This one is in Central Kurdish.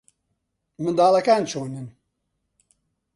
منداڵەکان چۆنن؟